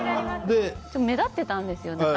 目立ってたんですよ。